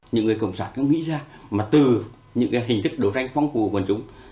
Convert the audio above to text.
những người cộng sản nó nghĩ ra mà từ những cái hình thức đối tranh phóng phù của quân chúng